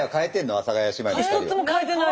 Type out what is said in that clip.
阿佐ヶ谷姉妹の２人は。